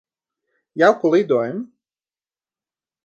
Jauku lidojumu.